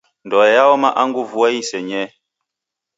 Ndoe yaoma angu vua isenyee.